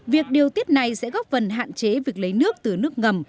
việc điều tiết này sẽ góp phần hạn chế việc lấy nước từ nước ngầm